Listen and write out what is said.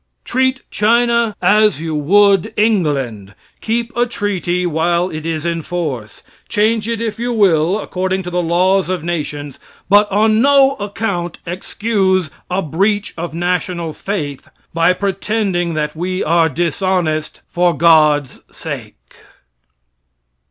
Treat China as you would England. Keep a treaty while it is in force. Change it if you will, according to the laws of nations, but on no account excuse a breach of national faith by pretending that we are dishonest for God's sake.